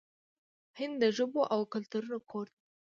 هند د ژبو او کلتورونو کور دی.